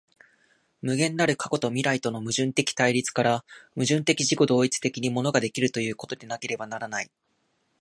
無限なる過去と未来との矛盾的対立から、矛盾的自己同一的に物が出来るということでなければならない。